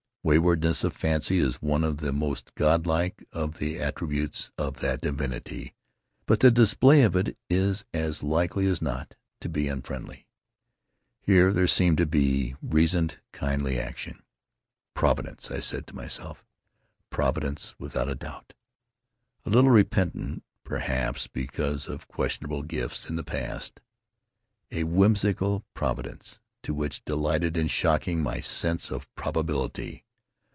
Waywardness of fancy is one of the most godlike of the attributes of that divinity, but the display of it is as likely as not to be unfriendly. Here there seemed to be reasoned kindly action. "Provi dence," I said to myself — "Providence without a doubt; a little repentant, perhaps, because of questionable gifts in the past." A whimsical Providence, too, which delighted in shocking my sense of probability.